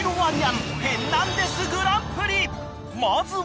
［まずは］